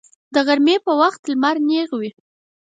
د غرمې په وخت لمر نیغ وي